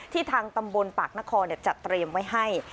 ทางตำบลปากนครจัดเตรียมไว้ให้